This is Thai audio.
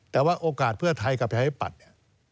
แต่ว่าโอกาสเพื่อไทยกับไทยภิปัตธิ์